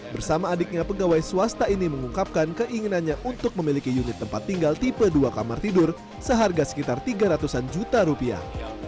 bersama adiknya pegawai swasta ini mengungkapkan keinginannya untuk memiliki unit tempat tinggal tipe dua kamar tidur seharga sekitar tiga ratus an juta rupiah